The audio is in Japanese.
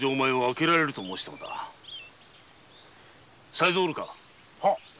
才三はおるか！